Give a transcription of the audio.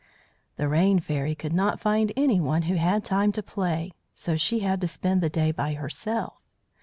The Rain Fairy could not find anyone who had time to play, so she had to spend the day by herself.